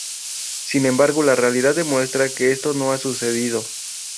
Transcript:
Sin embargo la realidad demuestra que esto no ha sucedido.